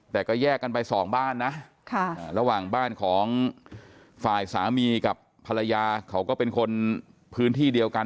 แต่ก็แยกกันไปสองบ้านนะระหว่างบ้านของฝ่ายสามีกับภรรยาเขาก็เป็นคนพื้นที่เดียวกัน